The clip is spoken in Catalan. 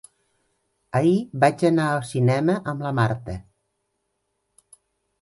Ahir vaig anar al cinema amb la Marta.